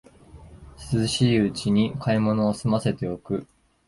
涼しいうちに買い物をすませておく